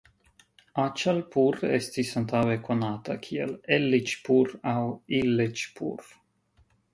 Aĉalpur estis antaŭe konata kiel Elliĉpur aŭ Illiĉpur.